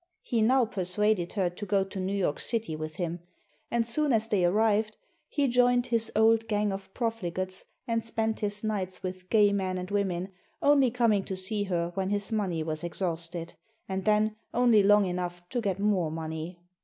He now persuaded her to go to New York City with him, and soon as they arrived he joined his old gang of profligates and spent his nights with gay men and women, only coming to see her when his money was exhausted, and then only long enough to get more money.